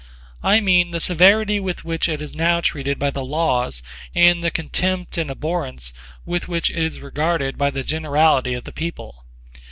I mean the severity with which it is now treated by the laws and the contempt and abhorrence with which it is regarded by the generality of the people.